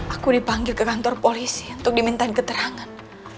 aku dipanggil ke kantor polisi untuk dimintain keterangan